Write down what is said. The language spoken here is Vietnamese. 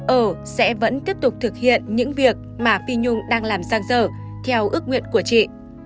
ở sẽ vẫn tiếp tục thực hiện những việc mà phi nhung đang làm san dở theo ước nguyện của chị